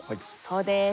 そうです。